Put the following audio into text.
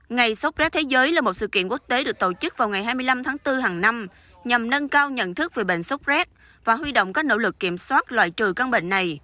ngày số z thế giới là một sự kiện quốc tế được tổ chức vào ngày hai mươi năm tháng bốn hàng năm nhằm nâng cao nhận thức về bệnh số z và huy động các nỗ lực kiểm soát loại trừ các bệnh này